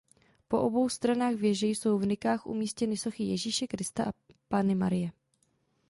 Po obou stranách věže jsou v nikách umístěny sochy Ježíše Krista a Panny Marie.